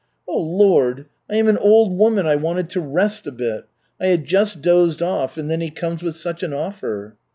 Oh, Lord! I am an old woman, I wanted to rest a bit. I had just dozed off and then he comes with such an offer."